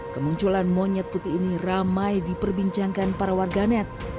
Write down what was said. kemunculan monyet putih ini ramai diperbincangkan para warganet